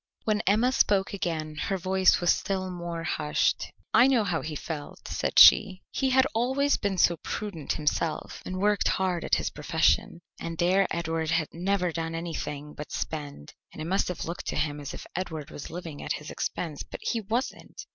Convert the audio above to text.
When Emma spoke again her voice was still more hushed. "I know how he felt," said she. "He had always been so prudent himself, and worked hard at his profession, and there Edward had never done anything but spend, and it must have looked to him as if Edward was living at his expense, but he wasn't."